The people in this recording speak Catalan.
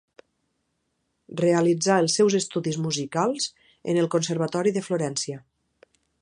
Realitzà els seus estudis musicals en el Conservatori de Florència.